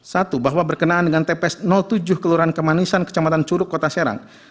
satu bahwa berkenaan dengan tps tujuh kelurahan kemanisan kecamatan curug kota serang